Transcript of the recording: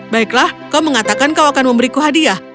baiklah kau mengatakan kau akan memberiku hadiah